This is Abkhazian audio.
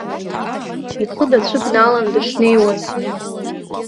Ихы дацәыбналан дышнеиуаз.